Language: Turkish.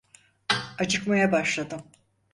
Acıkmaya başladım.